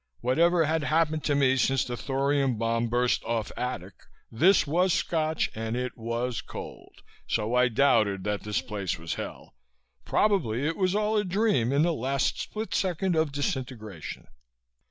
Whatever had happened to me since the thorium bomb burst off Adak, this was Scotch and it was cold, so I doubted that this place was Hell. Probably it was all a dream in the last split second of disintegration.